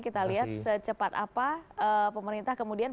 kita lihat secepat apa pemerintah kemudian